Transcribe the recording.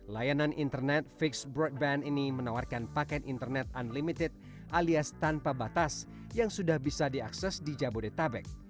layanan internet fixed broadband ini menawarkan paket internet unlimited alias tanpa batas yang sudah bisa diakses di jabodetabek